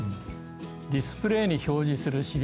ディスプレーに表示する資料